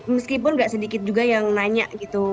meskipun nggak sedikit juga yang nanya gitu